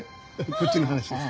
こっちの話です。